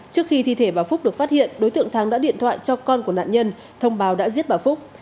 trước khi thi thể bà phúc được phát hiện đối tượng thắng đã điện thoại cho con của nạn nhân thông báo đã giết bà phúc